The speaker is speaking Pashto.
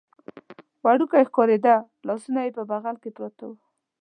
وړوکی ښکارېده، لاسونه یې په بغل کې پراته و.